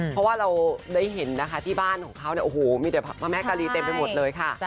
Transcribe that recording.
เพราะว่าเราได้เห็นนะคะที่บ้านของเขาเนี่ย